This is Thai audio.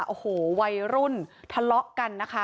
โอ้โหวัยรุ่นทะเลาะกันนะคะ